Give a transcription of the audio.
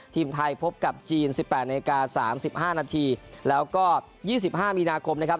ทีมไทยพบกับจีนสิบแปดนาทีสามสิบห้านาทีแล้วก็ยี่สิบห้ามีนาคมนะครับ